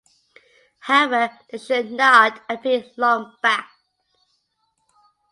However, they should not appear long-backed.